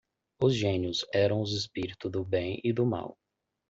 Os gênios eram os espíritos do bem e do mal.